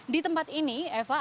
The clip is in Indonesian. di tempat ini eva